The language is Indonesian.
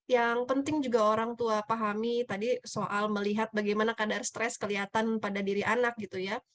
yang penting juga orang tua pahami tadi soal melihat bagaimana kadar stres kelihatan pada diri anak gitu ya